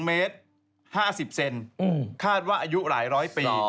เมตร๕๐เซนคาดว่าอายุหลายร้อยปี